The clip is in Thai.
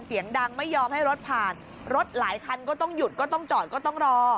เสียงดังไม่ยอมให้รถผ่าน